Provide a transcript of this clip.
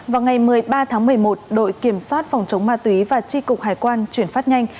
vào ngày một mươi ba tháng một mươi một đội kiểm soát phòng chống ma túy và tri cục hải quan chuyển phát nhanh